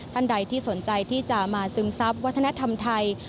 ท่านใดที่สนใจที่จะมาซึมซับวัฒนธรรมไทย